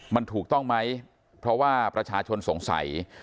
มันถูกต้องไหมเพราะว่าประชาชนสงสัย